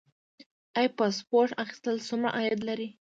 آیا پاسپورت اخیستل څومره عاید لري؟